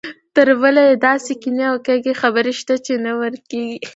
تربله یې داسې کینې او کږې خبرې شته چې نه ورکېږي.